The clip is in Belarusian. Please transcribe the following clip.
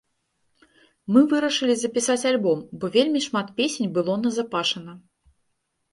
Мы вырашылі запісаць альбом, бо вельмі шмат песень было назапашана.